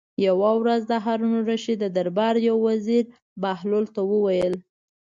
یوه ورځ د هارون الرشید د دربار یو وزیر بهلول ته وویل.